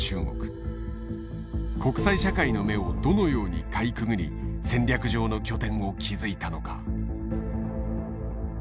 国際社会の目をどのようにかいくぐり戦略上の拠点を築いたのか？